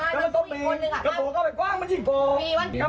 ถ้ามันต้องมีกระโปะเข้าไปกว้างมันยิงกับมัน